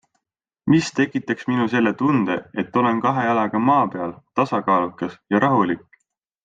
Mis tekitaks minus jälle tunde, et olen kahe jalaga maa peal, tasakaalukas ja rahulik?